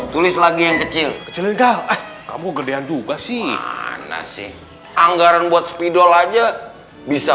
tulis lagi yang kecil kecil enggak kamu gedean juga sih nasi anggaran buat sepidol aja bisa